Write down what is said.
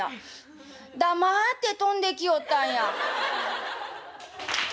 「黙って飛んできよったんや」。